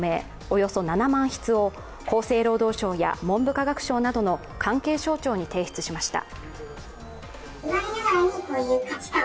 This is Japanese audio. およそ７万筆を厚生労働省や文部科学省に関係省庁に提出しました。